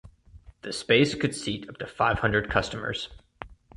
The space could seat up to five hundred customers.